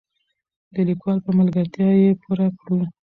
د لیکوال په ملګرتیا یې پوره کړو.